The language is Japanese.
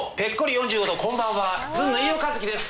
４５度こんばんはずんの飯尾和樹です